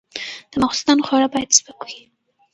د ماخوستن خواړه باید سپک وي.